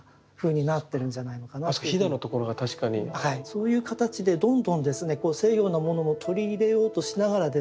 そういう形でどんどん西洋のものを取り入れようとしながらですね